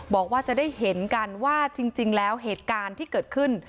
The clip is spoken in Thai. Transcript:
บอกว่าจะได้เห็นกันว่าจริงแล้วเหตุการณ์ที่เกิดขึ้น